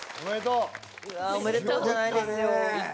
うわ「おめでとう」じゃないですよ。